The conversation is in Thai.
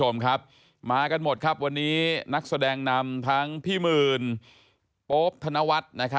มากันหมดครับวันนี้นักแสดงนำทั้งพี่มื่นโป๊ปธนวัฒน์